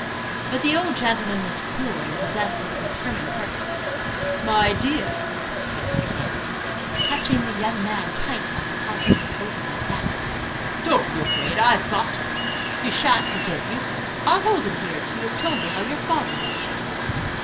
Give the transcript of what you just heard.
But the old gentleman was cruel, and possessed of a determined purpose. "My dear," said he again, catching the young man tight by the collar and holding him fast. "Don't be afraid; I've got him; he shan't desert you; I'll hold him here till you have told me how your father does."